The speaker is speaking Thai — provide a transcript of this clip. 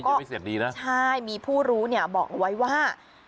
ยังไม่เสร็จดีนะใช่มีผู้รู้เนี่ยบอกเอาไว้ว่า